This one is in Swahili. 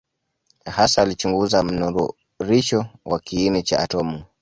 Hasa alichunguza mnururisho wa kiini cha atomu.